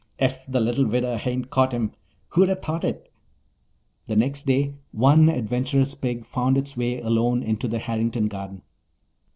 "Ef the little widder hain't caught him! Who'd a thought it?" The next day one adventurous pig found its way alone into the Harrington garden.